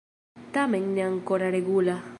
Tamen ne ankoraŭ regula.